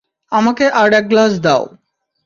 আমাকে আর এক গ্লাস দাও।